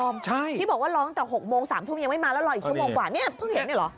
ที่บอกว่าร้องแต่๖โมง๓ทุ่มยังไม่มาแล้วรออีกชั่วโมงกว่าเนี่ยเพิ่งเห็นเนี่ยเหรอ